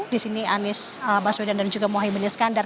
disini anies baswedan dan juga muhaymin iskandar